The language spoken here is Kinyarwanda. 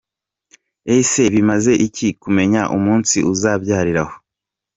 Ese bimaze iki kumenya umunsi uzabyariraho?.